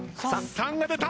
３が出た！